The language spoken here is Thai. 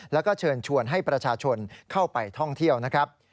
แล้วก็เชิญชวนให้ประชาชนเข้าไปท่องเที่ยวนะครับ